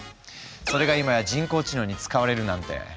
それが今や人工知能に使われるなんて。